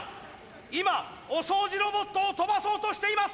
今お掃除ロボットを跳ばそうとしています！